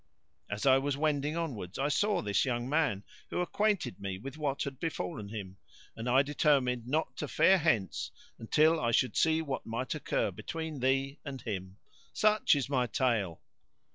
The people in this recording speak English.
As I was wending onwards I saw this young man, who acquainted me with what had befallen him, and I determined not to fare hence until I should see what might occur between thee and him. Such is my tale!